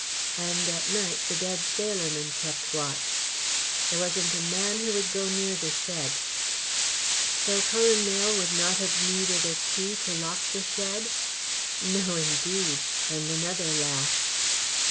"And at night the dead sailormen kept watch." "There wasn't a man who would go near the shed." "So Cullen Mayle would not have needed a key to lock the shed?" "No, indeed!" and another laugh.